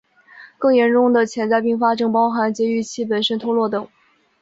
更严重的潜在并发症包含节育器本身脱落等。